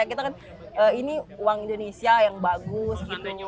ini uang indonesia yang bagus